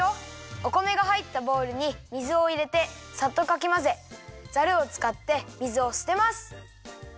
お米がはいったボウルに水をいれてサッとかきまぜザルをつかって水をすてます。